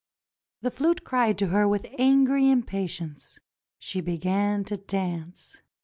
The flute cried to her with angry impatience. She began to dance.